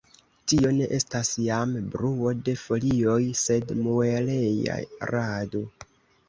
Tio ne estas jam bruo de folioj, sed mueleja rado.